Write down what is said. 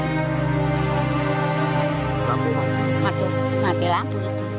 ia mati lampu